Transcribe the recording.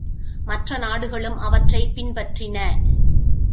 மற்ற நாடுகளும் அவற்றைப் பின்பற்றின.